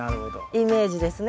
イメージですね。